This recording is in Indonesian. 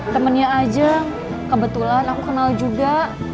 temennya aja kebetulan aku kenal juga